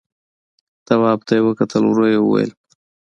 تواب ته يې وکتل، ورو يې وويل: